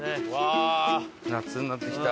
夏になってきた。